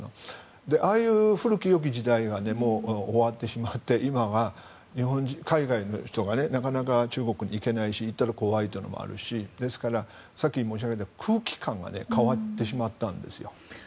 ああいう古きよき時代は終わってしまって今は海外の人がなかなか中国に行けないし行ったら怖いというのもあるしですから、さっき申し上げた空気感が変わってしまったんですよ。